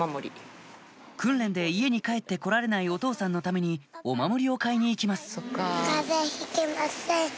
訓練で家に帰って来られないお父さんのためにお守りを買いに行きます